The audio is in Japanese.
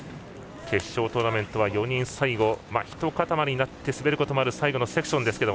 決勝トーナメントは４人で最後一塊になって滑ることもある最後のセクション。